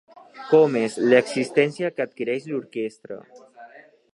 Com és l'existència que adquireix l'orquestra?